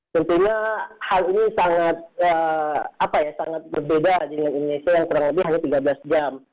tentunya hal ini sangat berbeda dengan indonesia yang kurang lebih hanya tiga belas jam